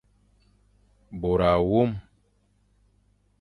Bôr awôm.